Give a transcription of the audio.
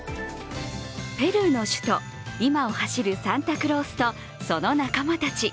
ペルーの首都リマを走るサンタクロースと、その仲間たち。